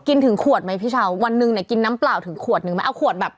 ถึงขวดไหมพี่เช้าวันหนึ่งเนี่ยกินน้ำเปล่าถึงขวดนึงไหมเอาขวดแบบ